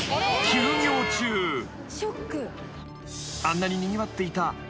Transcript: ［あんなににぎわっていた］